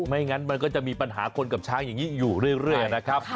ไม่งั้นมันก็จะมีปัญหาคนกับช้างอย่างนี้อยู่เรื่อยนะครับ